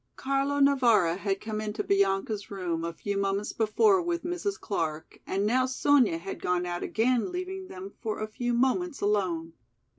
Carlo Navara had come into Bianca's room a few moments before with Mrs. Clark and now Sonya had gone out again leaving them for a few moments alone.